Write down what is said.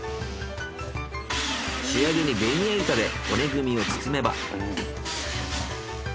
仕上げにベニヤ板で骨組みを包めば。